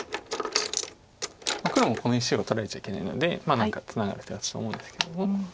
黒もこの石を取られちゃいけないので何かツナぐ形と思うんですけども。